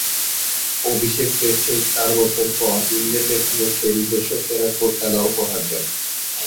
অভিষেক টেস্টের চার বছর পর ইংল্যান্ডের বিপক্ষে নিজস্ব সেরা খেলা উপহার দেন।